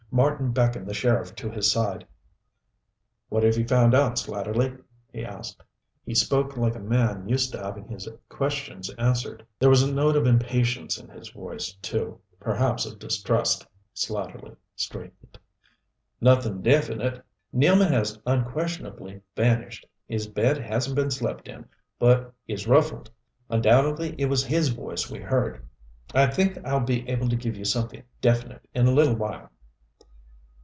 Marten beckoned the sheriff to his side. "What have you found out, Slatterly?" he asked. He spoke like a man used to having his questions answered. There was a note of impatience in his voice, too, perhaps of distrust. Slatterly straightened. "Nothing definite. Nealman has unquestionably vanished. His bed hasn't been slept in, but is ruffled. Undoubtedly it was his voice we heard. I think I'll be able to give you something definite in a little while."